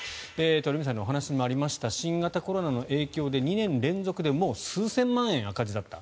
鳥海さんのお話にもありました新型コロナの影響で２年連続でもう数千万円赤字だった。